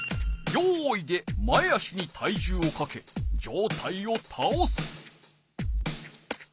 「よい」で前足に体重をかけ上体をたおす。